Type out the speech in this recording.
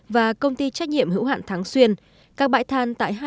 và công ty trách nhiệm hữu hạn tháng xuyên